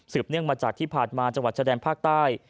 เนื่องมาจากที่ผ่านมาจังหวัดชะแดนภาคใต้